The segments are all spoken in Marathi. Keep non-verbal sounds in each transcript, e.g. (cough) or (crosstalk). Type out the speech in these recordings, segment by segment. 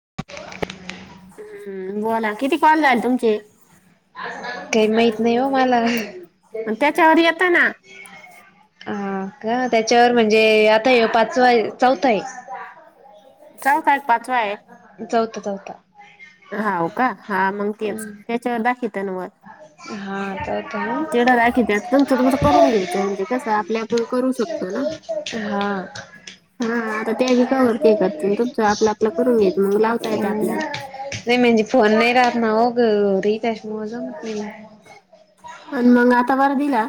(inaudible) हम्म बोला किती कॉल झाले तुमचे? काही माहित नाही हो मला. मग त्याच्यावर येतं ना हा का त्याच्यावर म्हणजे आता ये पाचवा चौथा आहे. सात आठ पाचवा आहे. जाऊतं जाऊतं. हाव का हा मग तेच त्याच्यावर दाखित नवं. हा चौथा ना. तेडा राखीचा तुमचं तुमच करून घ्यायचं म्हणजे कस आपल्या आपण करू शकतो ना. हा. हा आता ते बी कवर ते करतील तुमचं आपलं आपलं करून घ्यायचं मग लावता येते आपल्याला (unintelligible) नाही म्हणजे फोन नाही राहणार हो ग रेट आहे (unintelligible) आणि मग आता बर दिला.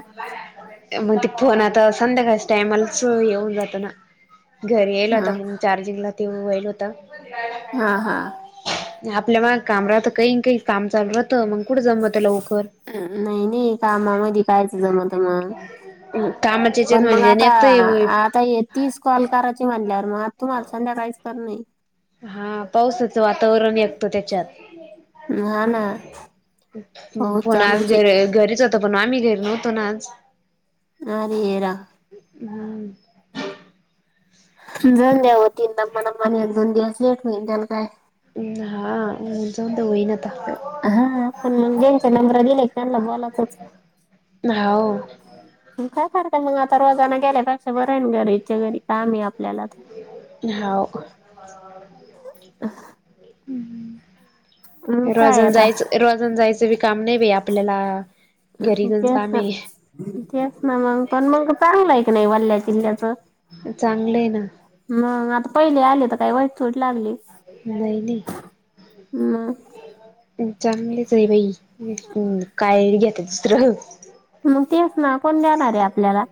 मग ते फोन आता संध्याकाळच टायमालाच येऊन जात ना घरी येईल होता हा मग चार्जिंगला तेव्हा येल होता. हा हा. आपल्या मग काम राहत काही काही काम चालू राहतं मग कुठं जमतं लवकर. नाही नाही कामामध्ये कायच जमा त म. कामाच्या याच्यात पण मग म्हणजे आता निघत आता ये तिस कॉल करायची म्हणल्यावर मग आता तुम्हाले संध्याकाळीच करणे. हा पावसाचं वातावरण एकतं त्याच्यात. हा ना हो फोन आज चालूच आहे घर घरीच हो तो पण आम्ही देत नव्हतो ना आज. अ रेरा हम. दऊन द्या होती मला मन एक दोन दिवस लेट म त्याला काय. हा जा. हा पण ज्यांचे नंबरा दिले त्यांना बोलातच. जााऊ. काय फरते मग आता रोजाना गेल्या पक्ष बर. घरीच्या घरी काम आहे आपल्याला तर हाव अ. काय रोजान आता जायचं रोजान जायचं बी काम नाही ब आपल्याला. अ घरी जाऊन त्याच काम आहे त्याच ना मग पण मग चांगलं आहे क नाही वल्ल्या किल्ल्याचं. चांग मग आता पहिले आले तर काही वाईट तोट लागली. नाही नाही. मग चांगलेचे बाई काय घ्याता दुसरं. मग तेस ना कोण देणार आहे आपल्याला.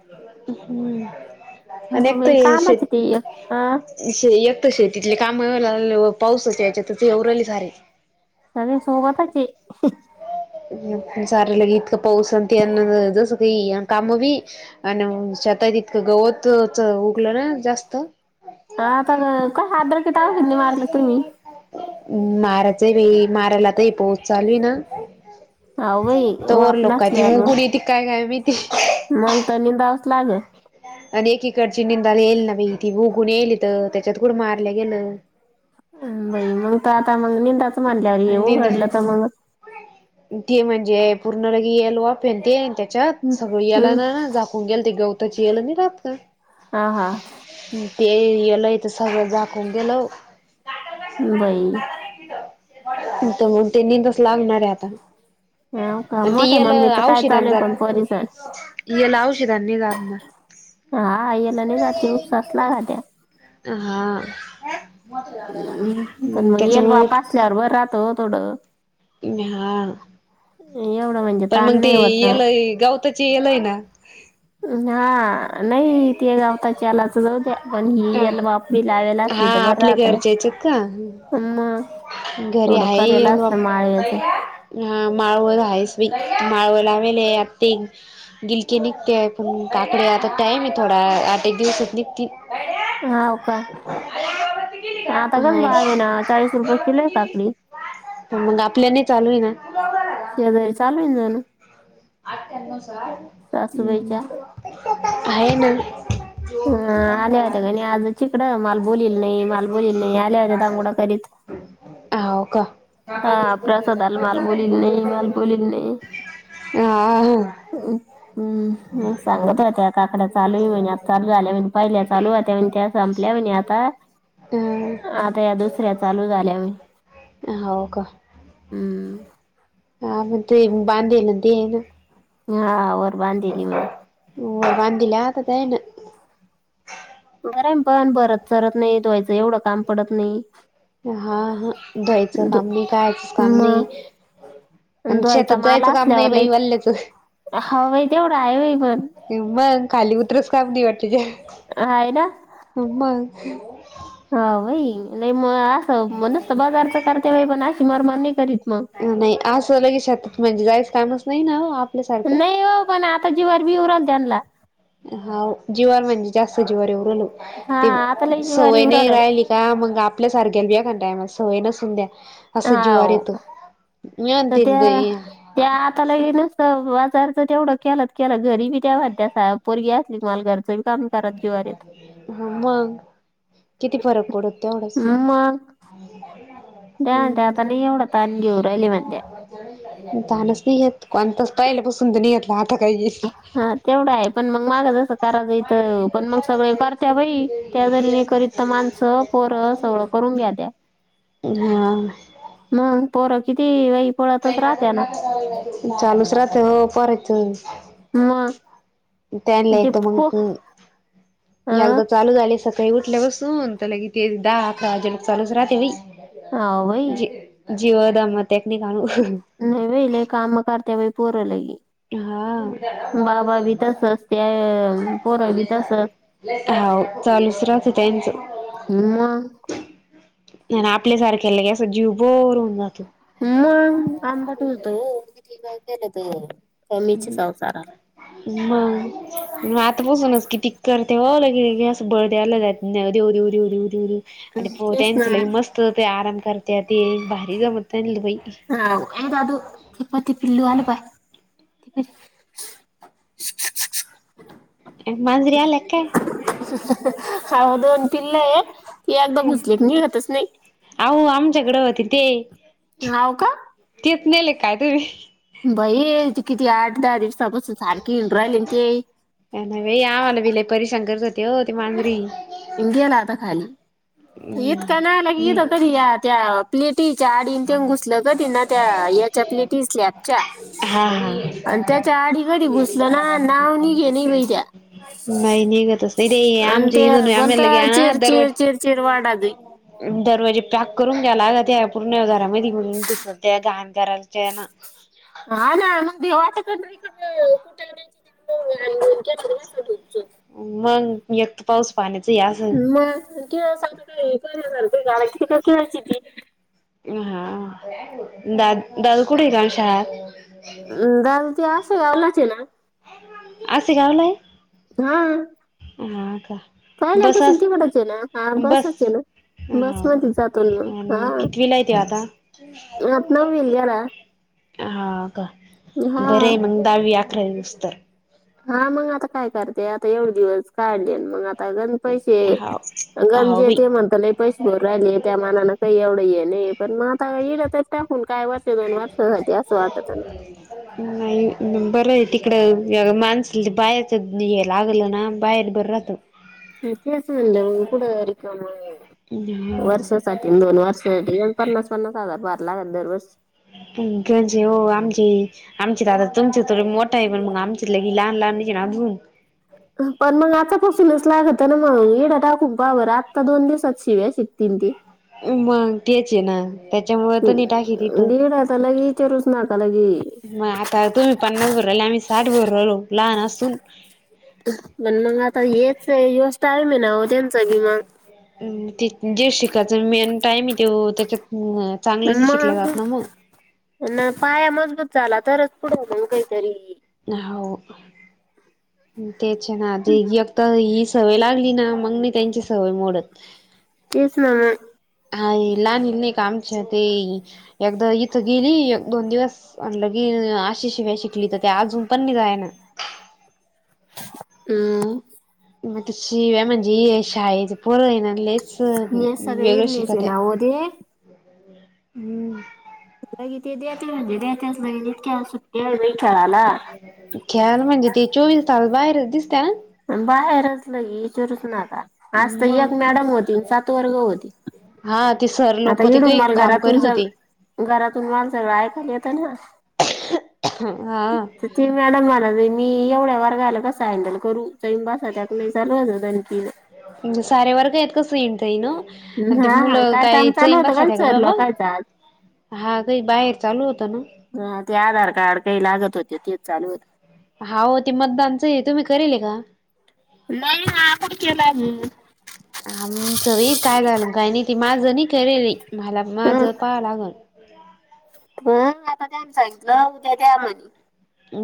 आणि हा, एकत बाई कामाचे ते एक हा, श एकत शेतीतले काम. मला पाऊसचं याच्यात एवराली सारे. सगळे सोगबतची. सार ले इतकं पाऊस आणि जसं काही काम बी आणि ता ततकं गवतच उगलं ना जास्त. आताग का हात्र क त होगतनी मारल तुम्ही. मारायच बाई मारायला तर पोहच चालू ना. अहो बाई तरर वाप लोक त नसल्यावर मग उघुडी ती काय काय मी. मग त निबावस लाग. आणि एकीकडची निंदाला येईल ना बा ती उगून येईल तर त्याच्यात कुडं मारल्या गेलं. बाई मग त आता मग निंदाच म्हणल्यावर येऊ निंद घडलं तर मग. ते म्हणजे पूर्ण लगे यालो पेनते त्याच्यात सगळं याला हम्म ना झाकून गेल ते गव. त्याची येलं नाही राहात का. हा हा. ते यालयथ सगळं दखून गेलं. बाई. तेनी तसलं आणणार आहे आता. ह का आणि ते मोठे येल मग् ममी तर काय औषधां चालूय पण परिसर. करण. हा याला नाही जाते उपसास लागात्या हा. ह पण मग येलवा त्याच्यामुळे पासल्यावर बर राहत थोडं. हा एवढं म्हणजे पण ताण मग ते नाही होत ना याला गावत. लना. हा नाही ते गावताच्यालाच जाऊ द्या पण हि याला बापरी लावेला. हा आपल्या घरच्याच का मग घरी थोडं करेल आहे. असतं माळव्याचं हा माळ व आहेस. माळव ला मेले आ ते गिलके निघते पण काकडे आता टाइम आहे थोडा आठ एक दिवसातली ती. ह हो का. आता कास हा भावे ना चाळीस रुपये किलो आहे काकडी मग आपल्याने चालू आहे ना. जाण. आठ्या्नव सार् आहे म ह आल्या होत्या गणी आज चिकड मालबोलील नाही मालबोललील नाही आल्या होत्या दांगोडा करीत. हव का. हा प्रसादाला माल बोलील नाही माल बोलील (unintelligible) हा म सांगत त्या आकड्या चालू, आू झाल्या म्ह पहिल्या चालू त्या. (unintelligible) त्या संपल्या म्हन आता. आता या दुसऱ्या, चालू झाल्या व. हा हो का. ह म ते बांधलं दे आहे ना. हा वर बांधेली म्हणे. वर बाधील्या आता तेन, बर पण बरत चारत नाही, धुवाएच एवढं काम पडत नाही. हा हा धुवायचं धु- काम नाही, कळायचंच काम नाही. मग अन आ शेतात जायचं काम नाही, बाई वाल्ल्याचं. हई तेवढा आहेय पण, मग खाली उतरच का वाटते ज. अयना, हम्. हा भाई नाही म असं म्हणसत बाजारच करते बाई पण अशी मारमार नाही करीत. मग नाही असं लगेचात म्हणजे जायच कामच नाही ना. आपल्यासारखं नाही हो पण आता जीवर बी उ राल त्यांला. हा जीवावर म्हणजे जास्त जीवर येऊ. हा ते आता लय जीवार सवय येऊ नाही राहिलं राहिली का मग, आपल्या सारखे बिया का टायमस. सवय नंसून द्या. असं जीवावर हा येतं मी तर त्या, म्हणते त्या आताला येेनस. बाजारच तेवढं केल केल घरी, बी तेव त्यासा पोरगी असली माल घरचं काम करत जीवार येत ह मग किती फरक पडत तेवढंच. (unintelligible) द्या म्हणते आता हम्म लई येवढं ताण घेऊ राहिल्या म्हणत्या, ताणच येत कोणता स्टाईलपसूनेत, हा तेवढा आहे पण मग माग, करा येत पण मग सगळे करत्या बाई, त्या जरीने करत माणसं पोर सगळं कर होंग्या, हा. परोर किती वई चालूच राहते हो पोराचं, मग त्यां ल ते येतो मग. पो ह अं अगदा चालू झाले. काही उठल्या बसून त्या, ल कि ते दहा अकराजलक चालूच राहते बाई. हा बाई, जीव द मतक, नाही बले काम करते बाई पूरलाग. हा बाबा बी तसच त्या पोरा बी तसच. ह चालूचरच त्यांचं. हिमा, नाही ना आपल्या सारखे ल क, अस जीव बर होऊन जातो. मग आंबा ठोलतोठीय केलं तर. कमीच संसाराला मग म आता बसूनच किती करते. तेव्हावलं के की असं बळद आलं, देऊ देऊ देऊ देऊ देऊ दे. आणि तेच ना त्यांच ल मस्त हो, आराम करते ते भारी जमत बाई हा ये दादू चिपती, पिल्लू आल बाय (unintelligible) माजरी आ काय? हाव दोन पिल्ले आहेत एकदा काय भुसलेत निघातच नाही. झगडा होतील ते. हाव का? तेच नेले काय तुम्ही बाई ती किती आठ दहा दिवसापासून सारखी राहिली ते काय नाही बाई आमाला बी लय परेशान करत होती ओ ती मांजरी. गेला आता खाली. इतका नालायक ईद नाही तरी या त्या टीव्हीच्या आडीन त् घुसलंग ते न त्या याच्यातली ती स्लॅप च्या. हा हा अण त्या त्याच्या आडी घडी घुसलं ना नाव निघे नाही बहि त्या्या नाही निघतच नाही ते आमचेन बोलता आमेला घे ना चिर दरवाज चिर चिर चिर वाडादी. घरी पॅक करून घ्याला. त्या पूर्ण घरामध्ये घ घुसते गाहान करायच्या ना. हा ना भ्याव वाटत होतं तिथं कुठं (unintelligible) मग एकत पाऊस पाण्याच हे असं मग खेळ काय बर झा झाला किती का खेळायची ती. हा दा दादू कुठे का शाळा? दादू ते असायलाच आहे ना? असे गावलाय? हा. ह का? बस पाहिल्यापसून तवटच आहे ना. हा बस बसच ये ना. बस हो का मध्ये जातो ना मग हा. आत नववीला गेला हाव का? हा बरे म दावी आ ठे (inaudible) स्तर. हा मग आता काय करते. आता एवढे दिवस काढले न मग आताण पैसे हाव हाव गंजी बाई ते म्हणता लय पैसे भर राहिले. त्या मानान काही एवढं आहे नाही पण मग आता येईला तरच टाकून. काय वर्ष दोन वार्ष होते असं वाटत. इग मानसल बाहेरचे ये लागल ना बाहेर बर राहत. तेच म्हणलं मग कुठं रिकामा वर्षासाठी दोन वर्षासाठीऊन पन्नास पन्नास हजार भरलाग दरवर्ष. जेव्हा हो आमची आमचे दादा तुमचे थोडी मोठा आहे पण मग आमची लय लहान ल आम्ही हेला घीवून पण मग आतापसूनच लागत ना मग? एडा टाकून पाहाबर आत्ता दोन दिवसात शिव्या शिकतील ते. मग त्याच आहे ना. त्याच्यामुळ तनी टाकीे तिथं. दीड आता लगे विचारूच नका लगे मग आता तुम्ही पन्नास भर राहिले. आम्ही साठ बर रालो लहान असून. पण मग आता येच हाय व्यवस्था आहे मी ना त्यांचा विमा ते जे शिकायचं मेन टाईम आहे तो त्याच्यात चांगलं नाही शिकलं मग जात ना ना पाया मजबूत झाला तरच पुढ हो ओ काहीतरी हो तेचे ना. देगी एकत सवय लागली ना मग मी त्यांची सवय मोडत. तेचना मग हा ये लाणीला नाही का? अच्छा ते एकदा इथं गेली, एक दोन दिवस लगे आशि शिवाय शिकली तर ते अजून पण निगाय ना. हम्म. मग त शिव्या म्हणजे शाळेचे पोरय ना, लइच अस हे सगळे वेगळं इथलेच आहे शिकत्या ना हो ते हम् कि ते द्या म्हणजे दचग इतक्या सुट्टया बाई खेळाला ख्याल म्हणजे, ते चोवीस तास बाहेरच दिसत्यात. बाहेरच लय इचारूच नका. आज तर मग एक मॅडम होती सात वर्ग होती. हा ते सर आता लोक ते येडून काही मला काम घरातचन करीत चाल होते घरातुन माल सगळ ऐकाला येत ना हा ती मॅडम मला (unintelligible) मी एवढ्या वर्गाला कसा हँडल करू जसा टाकून (unintelligible) चालूणन साऱ्या वर्ग आहेत सोइन (unintelligible) हा काय काम चालू होतं काय का सरल बाबा काय आल हा काही बाहेर चालू होतं ना ह ते आधार कार्ड काही लागत होते तेच चालु होत हा हो ते मतदानच तुम्ही करेल का नाही हा आपण केला आमचं बी काय झालं काही नाही ती माझं नाही करेल‌ हे मला माझं पाहाव लागलं हो आता त्यानी सांगितलं उद्या द्या म्हणे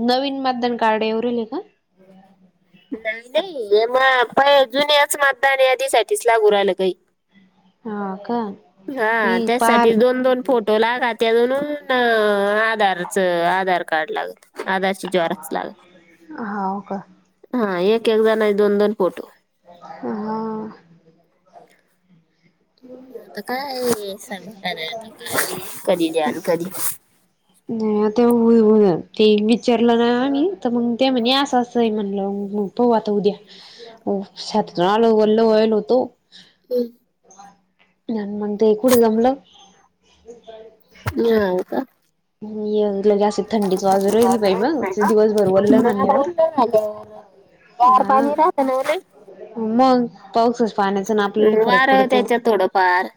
नवीन मतदान कार्ड येऊ राहीले का नाही नाही हे मग पहि जुन्याच मतदान यादीसाठीठीच लागु राहिलं काही हा का हा हे पाल त्यासाठी दोन दोन फोटो लागा त्या म्हणु आधारचं आधार कार्ड लागत आधारची झेरॉक्स लागते होव का हा एक एक जणां दोन दोन फोटो हं आता काय सग कधी द्याल कधी (unintelligible) नाही तेव हो हो ते विचारलं ना आम्ही तर मग ते म्हणे असं असं म्हणलं मग पाहु आता उद्या शेतात तुन आलो वल्ले होईल होतो- हम्- जन म्ह (inaudible) ण ते कुठं जमलं मी हाव का लगे अस थंडीच वाजु राहिली बाई मग दिवसभर वल्लं मग मनल्यावर बोलणं झाल्यावर गार हा पाणी राहतं ना लई. हो मग पाऊसा पाण्याचा ना आपल्याला फरक वारं पडतो त्याच्यात थोडंफार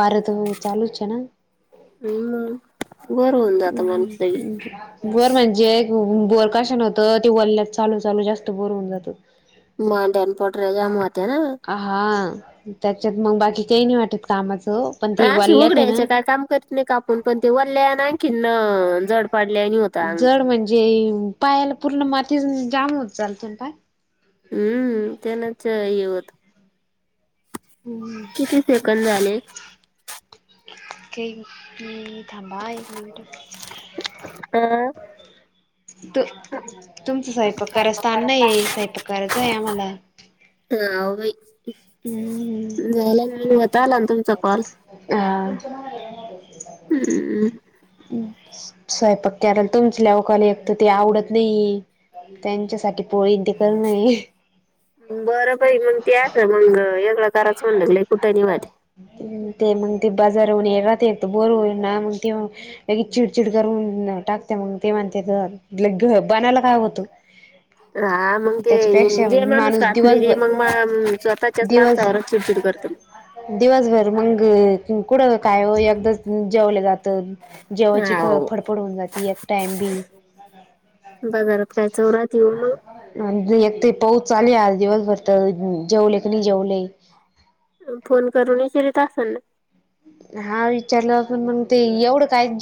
वारं तर चालुच आहे ना हम् बरं म्हणजे बोर काश व्हतं ते वल्यात चालु चालु जास्त बोर होऊन जातं मांड्या पोटर्या जाम होतात हा त्याच्यात मग बाकी काही नाही वाटत कामाच अशी उघडायचे काय काम करीत नाही काम पण ते वल्ल्या आणखीन न जड म्हणजे पायाला पुर्ण माती जाम होत चालते ना पाय हम्म त्यानच येव हम्म किती सेकंद झाले की ही थांबा एक मिनट अ तु तुमचं स्वयंपाक करायचा टाईम नाहीये स्वयंपाक करायचा आहे आम्हाला हाव बाई झालं व्हतं आला तुमचा कॉल हं हं हम्म स्वयंपाक कराय तुमच्या लवकाला (inaudible) एक तर ते आवडत नाही त्यांच्यासाठी पोळीन ते करणं हे बरं बाई मग ते असं मग एगळ कराच म्हनलं की लय ते मग ते बाजारहून येईल राहता बोर होईल ना मग ते लगेच चिडचिड करून टाकते मग ते म्हणतेत घ बनायला काय होतं हा मग ते त्याच्यापेक्षा जे माणुस माणूस खात नाही रे दिवसभर मग म स्वतःच्याच दिवस माणसावरचं चिडचिड करत दिवसभर मग कुठं काय एकदा जेवलं जातं. जेवची हा फ हो फडफड होऊन जाते एक टाइम बी. बाजारात काय चौरात येऊ मग अ एक ते पो. चाल आज दिवसभर तर जेऊले की नाही जेऊले फोन करून विचरीत असलना. हा विचारलं पण मग ते एवढं काय.